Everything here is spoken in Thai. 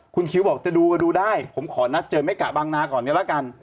คุณคิวบอกจะดูก็ดูได้ผมขอนัดเจอไม่กะบางนาก่อนก็แล้วกัน